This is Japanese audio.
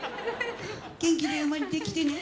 元気で生まれてきてね。